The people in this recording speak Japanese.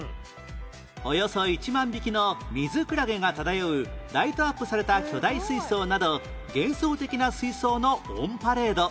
およそ１万匹のミズクラゲが漂うライトアップされた巨大水槽など幻想的な水槽のオンパレード